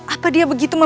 apa dia begitu menangis